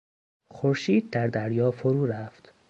خورشید در دریا فرو رفت.